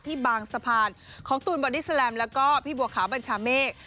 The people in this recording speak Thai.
บางสะพานของตูนบอดี้แลมแล้วก็พี่บัวขาวบัญชาเมฆ